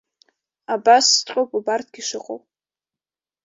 Абасҵәҟьоуп убарҭгьы шыҟоу.